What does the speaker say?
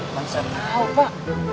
masa tau pak